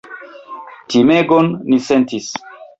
Timegon ni sentis!